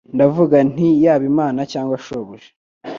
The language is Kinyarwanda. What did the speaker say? Ndavuga nti Yaba Imana cyangwa shobuja